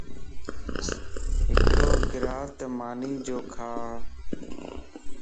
ھڪڙو گراته مانيَ جو کا